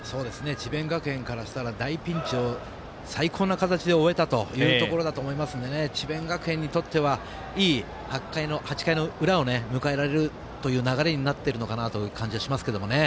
智弁学園からしたら大ピンチを最高の形で終えたというところだと思いますので智弁学園としては、いい８回の裏を迎えられるという流れになっているのかなという感じはしますけれどもね。